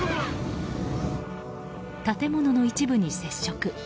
建物の一部に接触。